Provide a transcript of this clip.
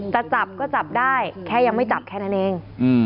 จะจับก็จับได้แค่ยังไม่จับแค่นั้นเอง